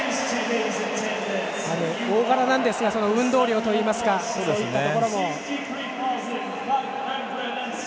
大柄なんですが運動量といいますかそういったところも。